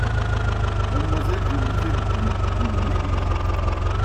Mademoiselle, je ne vous aime plus ; vous me négligez.